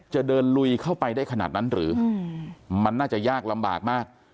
จะเดินลุยเข้าไปได้ขนาดนั้นหรือมันน่าจะยากลำบากมาก